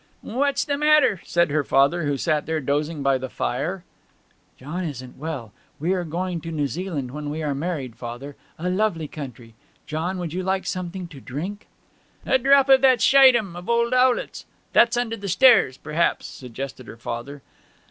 'What's the matter?' said her father, who sat there dozing by the fire. 'John isn't well ... We are going to New Zealand when we are married, father. A lovely country! John, would you like something to drink?' 'A drop o' that Schiedam of old Owlett's, that's under stairs, perhaps,' suggested her father.